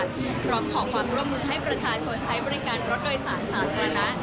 พร้อมขอความร่วมมือให้ประชาชนใช้บริการรถโดยสารสาธารณะ